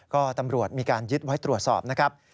ก็ตำรวจมีการยึดไว้ตรวจสอบนะครับ